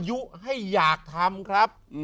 ยุให้อยากทำครับ